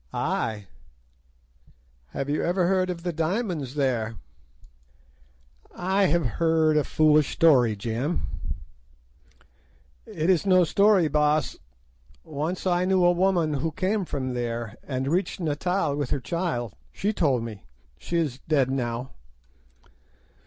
"'Ay!' "'Have you ever heard of the diamonds there?' "'I have heard a foolish story, Jim.' "'It is no story, Baas. Once I knew a woman who came from there, and reached Natal with her child, she told me:—she is dead now.